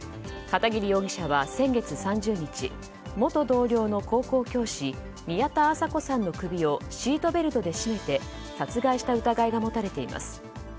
片桐容疑者は先月３０日元同僚の高校教師宮田麻子さんの首をシートベルトで絞めて殺害した疑いが持たれています。